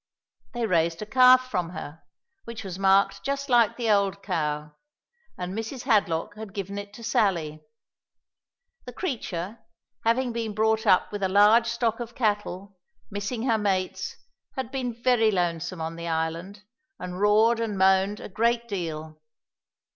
They raised a calf from her, which was marked just like the old cow, and Mrs. Hadlock had given it to Sally. The creature, having been brought up with a large stock of cattle, missing her mates, had been very lonesome on the island, and roared and moaned a great deal.